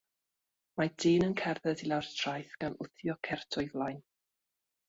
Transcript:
Mae dyn yn cerdded i lawr traeth gan wthio cert o'i flaen.